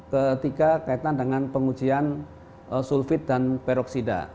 ketiga kaitan dengan pengujian sulfit dan peroksida